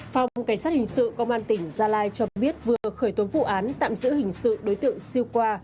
phòng cảnh sát hình sự công an tỉnh gia lai cho biết vừa khởi tố vụ án tạm giữ hình sự đối tượng siêu khoa